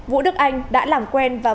vũ đức anh đã làm quen và